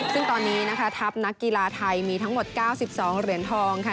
ซึ่งตอนนี้นะคะทัพนักกีฬาไทยมีทั้งหมด๙๒เหรียญทองค่ะ